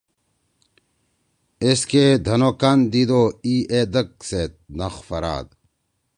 ایسکے دھن او کان دیِد او اِی اے دک سیت نخ پھراد۔